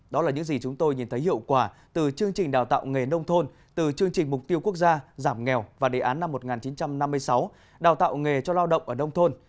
đó là những gì chúng tôi nhìn thấy hiệu quả từ chương trình đào tạo nghề nông thôn từ chương trình mục tiêu quốc gia giảm nghèo và đề án năm một nghìn chín trăm năm mươi sáu đào tạo nghề cho lao động ở nông thôn